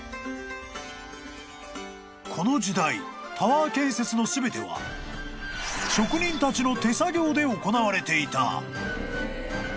［この時代タワー建設の全ては職人たちの手作業で行われていた］